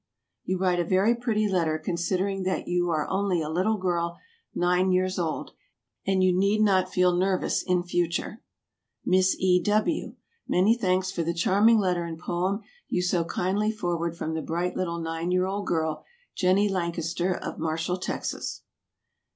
You write a very pretty letter considering that you are "only a little girl nine years old," and you need not feel nervous in future. MISS E. W. Many thanks for the charming letter and poem you so kindly forward from the bright little nine year old girl, Jennie Lancaster, of Marshall, Texas.